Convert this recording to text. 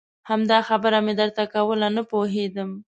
همدا خبره مې درته کوله نه پوهېدم.